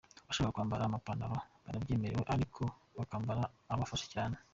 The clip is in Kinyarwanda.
Abashaka kwambara amapantaro barabyemerewe ariko bakambara atabafashe cyane.